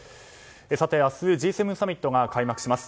明日、Ｇ７サミットが開幕します。